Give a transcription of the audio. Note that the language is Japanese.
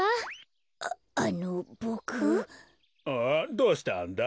どうしたんだ？